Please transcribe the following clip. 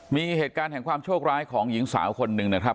มีเหตุการณ์แห่งความโชคร้ายของหญิงสาวคนหนึ่งนะครับ